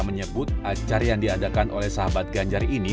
menyebut acara yang diadakan oleh sahabat ganjar ini